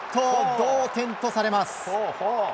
同点とされます。